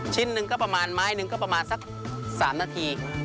หนึ่งก็ประมาณไม้หนึ่งก็ประมาณสัก๓นาที